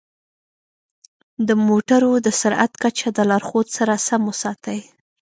د موټرو د سرعت کچه د لارښود سره سم وساتئ.